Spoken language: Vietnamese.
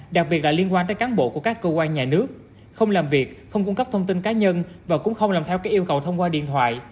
đặc biệt là liên quan tới cán bộ của các cơ quan nhà nước không làm việc không cung cấp thông tin cá nhân và cũng không làm theo các yêu cầu thông qua điện thoại